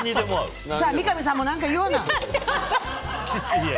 三上さんも何か言わな。